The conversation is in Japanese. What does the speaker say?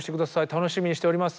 楽しみにしております。